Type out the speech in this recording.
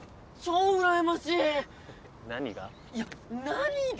何が？